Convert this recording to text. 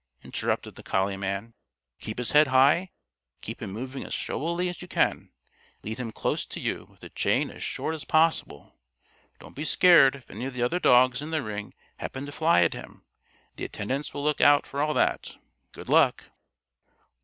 interrupted the collie man. "Keep his head high, keep him moving as showily as you can. Lead him close to you with the chain as short as possible. Don't be scared if any of the other dogs in the ring happen to fly at him. The attendants will look out for all that. Good luck."